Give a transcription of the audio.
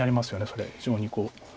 それ非常にこう。